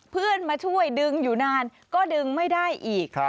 เพื่อนมาช่วยดึงอยู่นานก็ดึงไม่ได้อีก